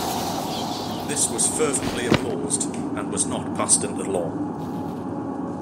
This was fervently opposed, and was not passed into law.